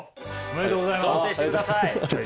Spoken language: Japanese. ありがとうございます。